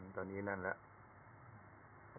ตอนนี้นั่นแล้ว